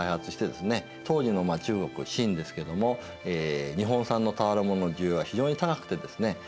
当時の中国清ですけども日本産の俵物の需要が非常に高くてですね